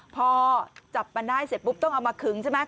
พอจับมันได้เสร็จปุ๊บต้องเอามาขึงใช่ไหม